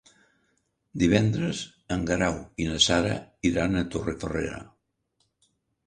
Divendres en Guerau i na Sara iran a Torrefarrera.